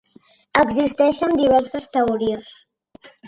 Existeixen diverses teories.